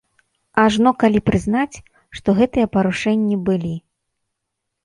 Ажно калі прызнаць, што гэтыя парушэнні былі.